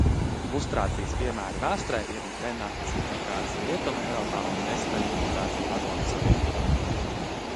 Lustrācijas piemēri vēsturē ir denacifikācija Rietumeiropā un destaļinizācija Padomju Savienībā.